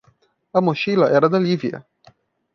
A mochila era da Lívia.